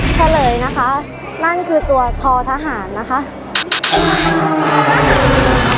เฉลยนะคะนั่นคือตัวทอทหารนะคะ